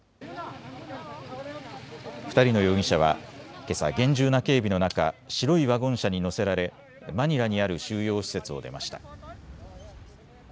２人の容疑者はけさ厳重な警備の中、白いワゴン車に乗せられマニラにある収容施設を出ました。